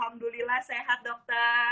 alhamdulillah sehat dokter